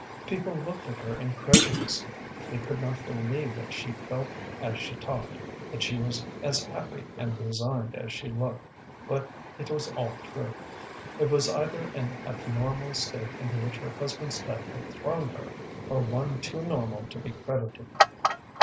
People looked at her incredulously. They could not believe that she felt as she talked, that she was as happy and resigned as she looked, but it was all true. It was either an abnormal state into which her husband's death had thrown her, or one too normal to be credited.